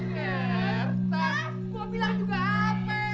gerta gua bilang juga apa ya